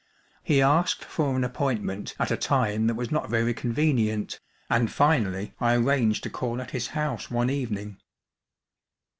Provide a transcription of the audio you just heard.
He asked for an appointment at a time that was not very convenient, and finally I arranged to call at his house one evening.